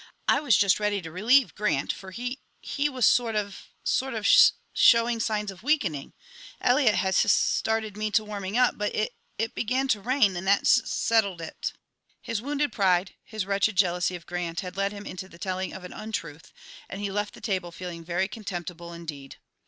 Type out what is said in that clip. "I was just ready to relieve Grant, for he he was sort of sort of sus showing signs of weakening. Eliot had sus started me to warming up, but it it began to rain, and that sus settled it." His wounded pride, his wretched jealousy of Grant, had led him into the telling of an untruth, and he left the table feeling very contemptible indeed.